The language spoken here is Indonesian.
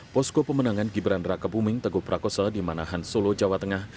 posko pemenangan gibran raka buming teguh prakosa di manahan solo jawa tengah